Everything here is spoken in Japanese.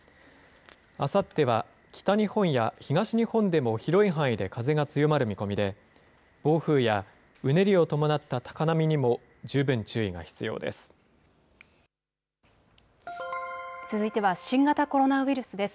あさっては、北日本や東日本でも広い範囲で風が強まる見込みで、暴風やうねりを伴った高波にも十分注意が必要です。